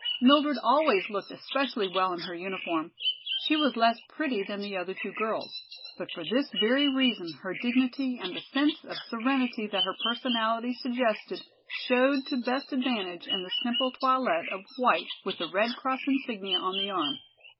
Mildred always looked especially well in her uniform. She was less pretty than the other two girls. But for this very reason her dignity and the sense of serenity that her personality suggested showed to best advantage in the simple toilette of white with the Red Cross insignia on the arm.